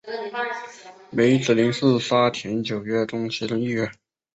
梅子林是沙田九约中其中一约。